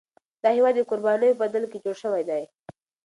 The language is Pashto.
دا هیواد د قربانیو په بدل کي جوړ شوی دی.